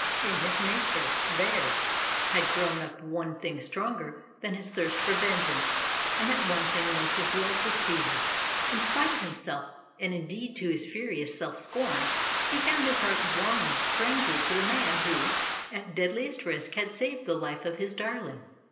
In his nature there had grown up one thing stronger than his thirst for vengeance, and that one thing was his love for Stevie. In spite of himself, and indeed to his furious self scorn, he found his heart warming strangely to the man who, at deadliest risk, had saved the life of his darling.